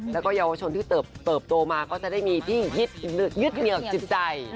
แล้วก็เยาวชนที่เติบโตมาก็จะได้มีที่ยึดเหนียวจิตใจ